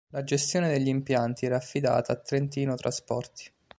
La gestione degli impianti era affidata a Trentino Trasporti.